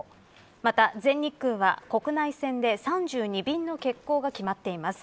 また、全日空は国内線で３２便の欠航が決まっています。